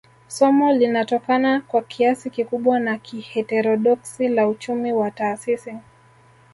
Somo linatokana kwa kiasi kikubwa na kiheterodoksi la uchumi wa taasisi